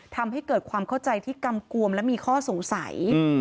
ทำให้เกิดความเข้าใจที่กำกวมและมีข้อสงสัย